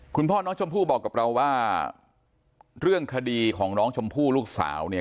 คุณพ่อน้องชมพู่บอกกับเราว่าเรื่องคดีของน้องชมพู่ลูกสาวเนี่ย